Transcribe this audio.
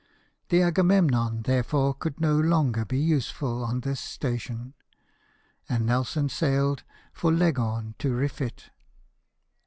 The Aga memnon therefore could no longer be useful on this station, and Nelson sailed for Leghorn to refit.